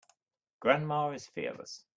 Grandma is fearless.